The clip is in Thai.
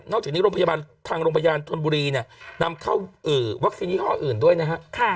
จากนี้โรงพยาบาลทางโรงพยาบาลธนบุรีเนี่ยนำเข้าวัคซีนยี่ห้ออื่นด้วยนะฮะ